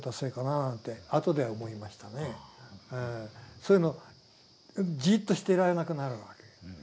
そういうのじっとしていられなくなるわけ。